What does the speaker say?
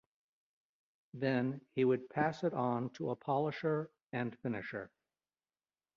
Then he would pass it on to a polisher and finisher.